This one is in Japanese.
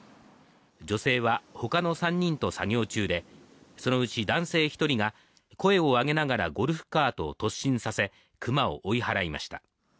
女性はほかの３人と作業中でそのうち男性一人が声を上げながらゴルフカートを突進させクマを追い払いました